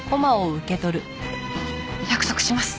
約束します。